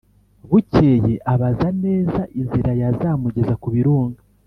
bukeye abaza neza inzira yazamugeza ku birunga